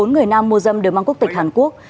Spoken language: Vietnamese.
bốn người nam mua dâm đều mang quốc tịch hàn quốc